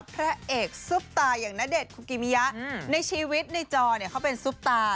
พระเอกซุปตาอย่างณเดชนคุกิมิยะในชีวิตในจอเนี่ยเขาเป็นซุปตา